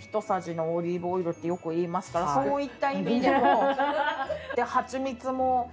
ひとさじのオリーブオイルってよく言いますからそういった意味でも。